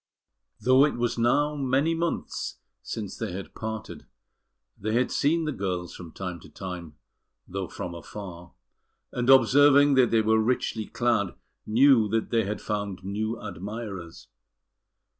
Though it was now many months since they had parted, they had seen the girls from time to time, though from afar; and observing that they were richly clad, knew that they had found new admirers.